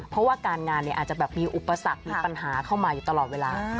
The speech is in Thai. เพราะว่าการงานอาจจะแบบมีอุปสรรคมีปัญหาเข้ามาอยู่ตลอดเวลา